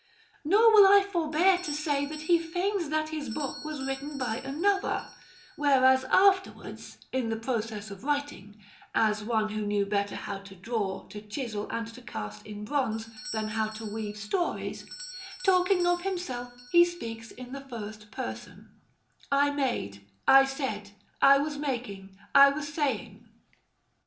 Nor will I forbear to say that he feigns that his book was written by another, whereas afterwards, in the process of writing as one who knew better how to draw, to chisel, and to cast in bronze, than how to weave stories talking of himself, he speaks in the first person, "I made," "I said," "I was making," "I was saying."